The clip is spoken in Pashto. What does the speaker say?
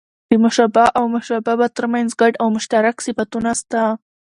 د مشبه او مشبه به؛ تر منځ ګډ او مشترک صفتونه سته.